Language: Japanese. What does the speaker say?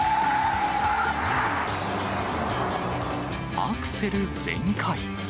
アクセル全開。